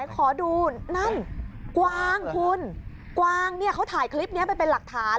ขอดูนั่นกวางคุณกวางเนี่ยเขาถ่ายคลิปนี้ไปเป็นหลักฐาน